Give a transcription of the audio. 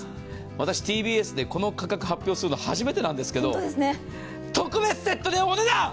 私、ＴＢＳでこの価格を発表するの初めてなんですけど特別セットでお値段。